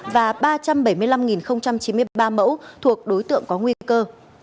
và ba trăm bảy mươi năm chín mươi ba mẫu thuộc đối tượng có nguy cơ